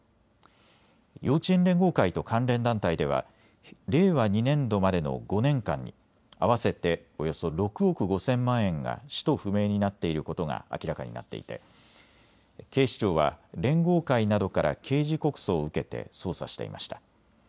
幼稚園連合会と関連団体では令和２年度までの５年間に合わせておよそ６億５０００万円が使途不明になっていることが明らかになっていて警視庁は連合会などから刑事告訴を受けて捜査していました。